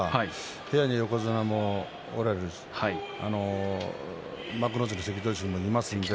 部屋に横綱もおられるし幕内の関取衆もいます。